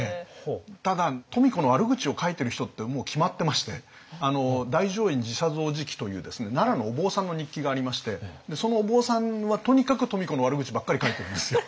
ただ富子の悪口を書いてる人ってもう決まってまして「大乗院寺社雑事記」というですね奈良のお坊さんの日記がありましてそのお坊さんはとにかく富子の悪口ばっかり書いてるんですよ。